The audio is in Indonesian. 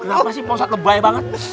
kenapa sih pak ustadz lebay banget